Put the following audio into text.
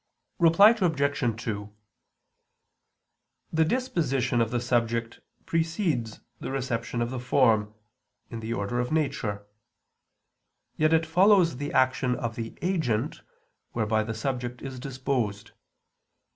Reply Obj. 2: The disposition of the subject precedes the reception of the form, in the order of nature; yet it follows the action of the agent, whereby the subject is disposed.